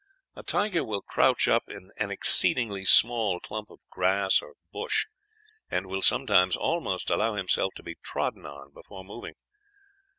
A tiger will crouch up in an exceedingly small clump of grass or bush, and will sometimes almost allow himself to be trodden on before moving.